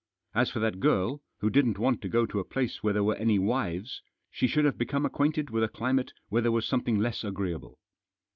As for that girl, who didn't want to go to a place where there were any wives, she should have become acquainted with a climate where there was something less agreeable.